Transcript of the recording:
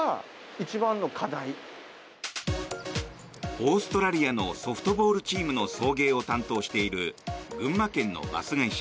オーストラリアのソフトボールチームの送迎を担当している群馬県のバス会社